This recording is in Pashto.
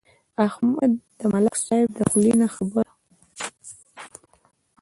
احمد د ملک صاحب د خولې نه خبره واخیسته.